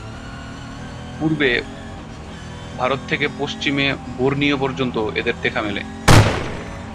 পূর্বে ভারত থেকে পশ্চিমে বোর্নিও পর্যন্ত এদের দেখা মেলে।